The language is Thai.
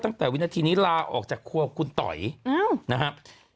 วินาทีนี้ลาออกจากครัวคุณต๋อยนะครับ